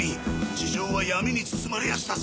地上は闇に包まれやしたぜ。